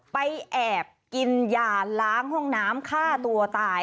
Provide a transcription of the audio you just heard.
แอบกินยาล้างห้องน้ำฆ่าตัวตาย